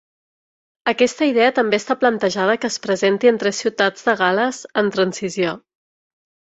Aquesta idea també està planejada que es presenti en tres ciutats de Gal·les en transició.